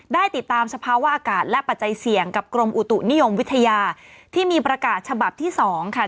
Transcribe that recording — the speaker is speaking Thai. ได้ติดตามสภาวะอากาศและปัจจัยเสี่ยงกับกรมอุตุนิยมวิทยาที่มีประกาศฉบับที่สองค่ะ